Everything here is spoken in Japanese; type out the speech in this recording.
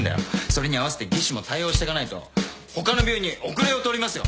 それに合わせて技師も対応してかないと他の病院に後れを取りますよ。